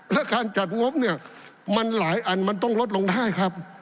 และการจัดงบเนี่ยมันหลายอันมันต้องลดลงได้ครับ